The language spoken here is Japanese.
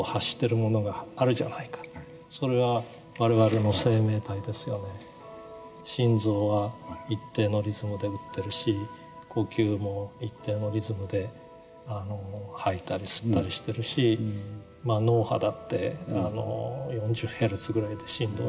この自然物に囲まれてる私たちの中で心臓は一定のリズムで打ってるし呼吸も一定のリズムで吐いたり吸ったりしてるし脳波だって４０ヘルツぐらいで振動してるし。